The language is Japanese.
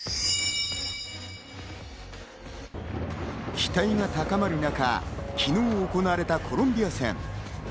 期待が高まる中、昨日行われたコロンビア戦。